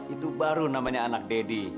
itu baru namanya anak deddy